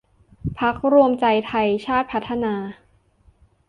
พรรครวมใจไทยชาติพัฒนา